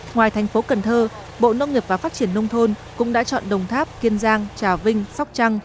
ngoài thành phố cần thơ bộ nông nghiệp và phát triển nông thôn cũng đã chọn đồng tháp kiên giang trà vinh sóc trăng